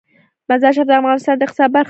مزارشریف د افغانستان د اقتصاد برخه ده.